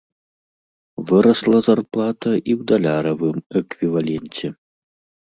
Вырасла зарплата і ў даляравым эквіваленце.